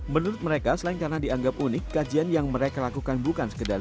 menurut mereka selain karena dianggap unik kajian yang mereka lakukan bukan sekedar